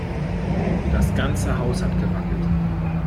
Das ganze Haus hat gewackelt.